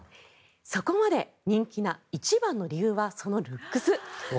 そこまで人気な一番の理由はそのルックス。